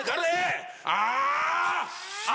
ああ！